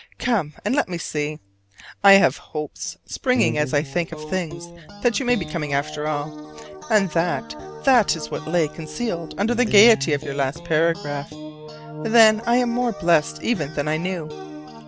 Come and let me see! I have hopes springing as I think of things that you may be coming after all; and that that is what lay concealed under the gayety of your last paragraph. Then I am more blessed even than I knew.